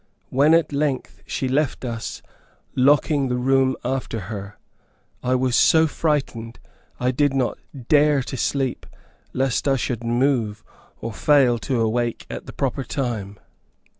When, at length, she left us, locking the door after her, I was so frightened, I did not dare to sleep, lest I should move, or fail to awake at the proper time.